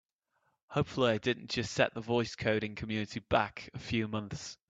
Hopefully I didn't just set the voice coding community back by a few months!